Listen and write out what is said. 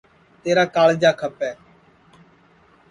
تیرا کاݪجا کھپے